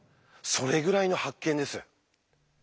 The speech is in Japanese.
それぐらいの発見です。